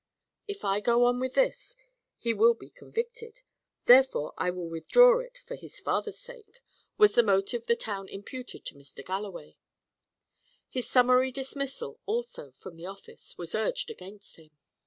"If I go on with this, he will be convicted, therefore I will withdraw it for his father's sake," was the motive the town imputed to Mr. Galloway. His summary dismissal, also, from the office, was urged against him.